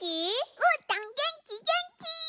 うーたんげんきげんき！